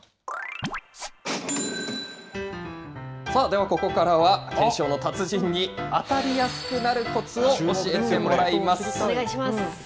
ではここからは、懸賞の達人に、当たりやすくなるこつを教えてもらいます。